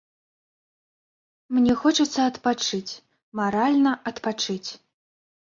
Мне хочацца адпачыць, маральна адпачыць.